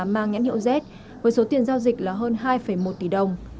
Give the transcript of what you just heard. mang nhãn hiệu z với số tiền giao dịch là hơn hai một tỷ đồng